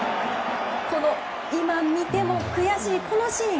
今見ても悔しいこのシーン。